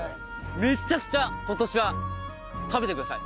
めちゃくちゃ今日は食べてください。